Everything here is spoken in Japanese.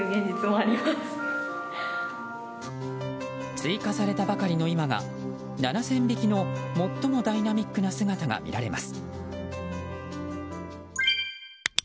追加されたばかりの今が７０００匹の最もダイナミックな姿が見られます。